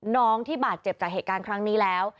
น้องที่บาดเจ็บจากเหตุการณ์ครั้งนี้แล้ว